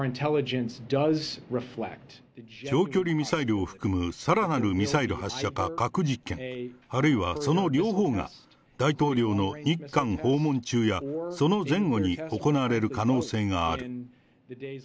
長距離ミサイルを含むさらなるミサイル発射が核実験、あるいはその両方が、大統領の日韓訪問中やその前後に行われる可能性がある。